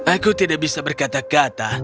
aku tidak bisa berkata kata